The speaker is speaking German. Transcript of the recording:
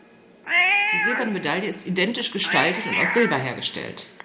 Die silberne Medaille ist identisch gestaltet und aus Silber hergestellt.